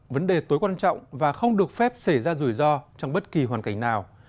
vấn đề tối quan trọng và không được phép xảy ra rủi ro trong bất kỳ hoàn cảnh nào